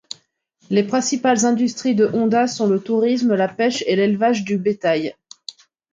Les principales industries de Honda sont le tourisme, la pêche, et l'élevage du bétail.